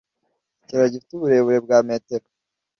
Ikiraro gifite uburebure bwa metero .